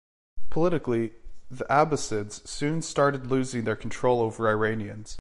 Politically, the Abbasids soon started losing their control over Iranians.